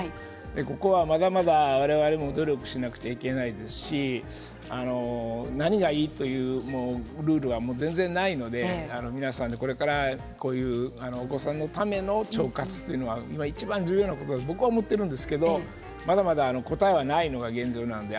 ここはまだまだ我々も努力しなくちゃいけないですし何がいいというルールは全然ないので皆さんでこれからお子さんのための腸活というのがいちばん重要な部分と僕は思っているんですけど、まだまだ答えはないのが現状です。